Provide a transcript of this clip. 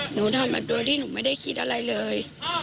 หนูทำมาโดยที่หนูไม่ได้คิดอะไรเลย